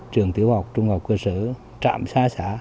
trường tiểu học trung học cơ sở trạm xa xã